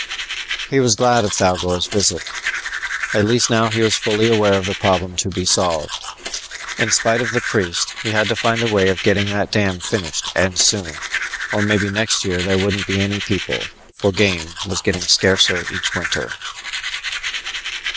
He was glad of Thougor's visit. At least he was now fully aware of the problem to be solved. In spite of the priest, he had to find a way of getting that dam finished and soon. Or maybe next year there wouldn't be any people, for game was getting scarcer each winter.